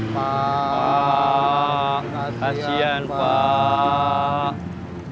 pak kasihan pak